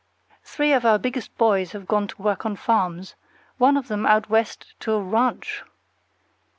Three of our biggest boys have gone to work on farms, one of them out West to a RANCH!